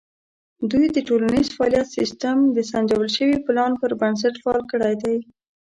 دوی د ټولنیز فعالیت سیستم د سنجول شوي پلان پر بنسټ فعال کړی دی.